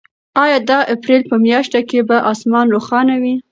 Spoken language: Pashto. آیا د اپریل په میاشت کې به اسمان روښانه وي؟